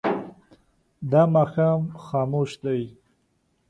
دا ماښام خاموش دی.